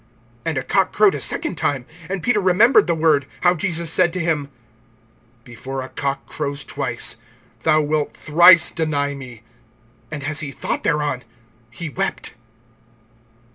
(72)And a cock crowed a second time. And Peter remembered the word, how Jesus said to him: Before a cock crows twice, thou wilt thrice deny me. And as he thought thereon, he wept.